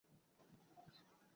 বল, বাবা!